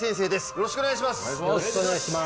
よろしくお願いします